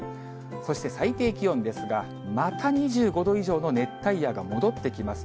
そして最低気温ですが、また２５度以上の熱帯夜が戻ってきます。